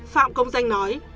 phạm công danh nói